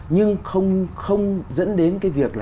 nhưng không dẫn đến cái việc